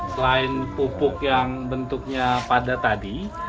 selain pupuk yang bentuknya padat tadi